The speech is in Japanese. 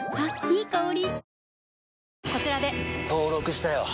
いい香り。